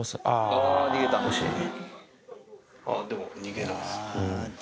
あー、でも逃げない。